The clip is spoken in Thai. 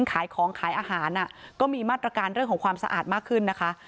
ขายของขายอาหารก็มีมาตรการเรื่องของความสะอาดมากขึ้นนะคะ